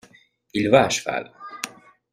Il va à cheval.